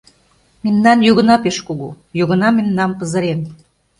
Мемнан йогына пеш кугу, йогына мемнам пызырен.